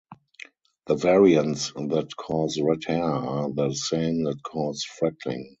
The variants that cause red hair are the same that cause freckling.